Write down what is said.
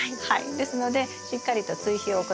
ですのでしっかりと追肥を行って下さい。